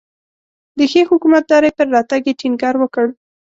د ښې حکومتدارۍ پر راتګ یې ټینګار وکړ.